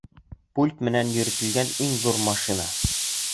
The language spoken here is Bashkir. — Пульт менән йөрөтөлгән иң ҙур машина.